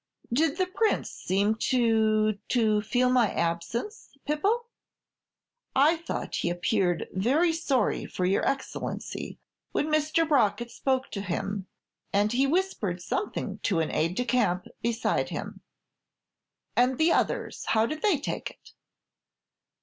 "Did the Prince seem to to feel my absence, Pipo?" "I thought he appeared very sorry for your Excellency when Mr. Brockett spoke to him, and he whispered something to the aide de camp beside him." "And the others, how did they take it?"